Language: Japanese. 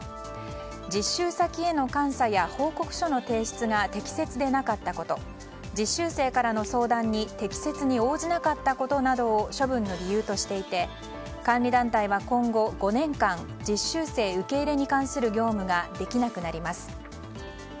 実習先への監査や報告書の提出が適切でなかったこと実習生からの相談に適切に応じなかったことなどを処分の理由としていて管理団体は今後５年間実習生受け入れに関する業務ができなくなります。